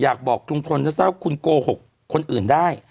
อยากบอกลุงพลว่าคุณโกหกคนอื่นได้